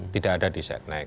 tidak ada di set next